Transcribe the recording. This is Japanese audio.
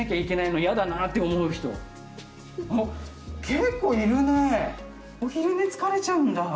結構いるね。お昼寝疲れちゃうんだ。